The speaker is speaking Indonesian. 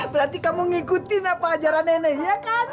berarti kamu ngikutin apa ajaran nenek ya kan